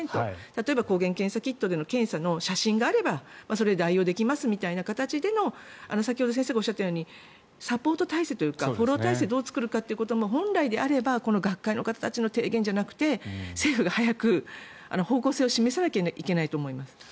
例えば抗原検査キットの検査の写真があればそれで代用できますみたいな形での先ほど先生がおっしゃったようにサポート体制とかフォロー体制をどう作るかということも、本来であればこの学会の方たちの提言じゃなくて政府が早く方向性を示さなければいけないと思います。